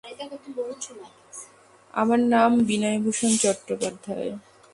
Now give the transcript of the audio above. আমার নাম বিনয়ভূষণ চট্টোপাধ্যায়।